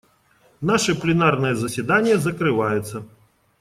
Наше пленарное заседание закрывается.